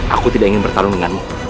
aku tidak ingin bertarung denganmu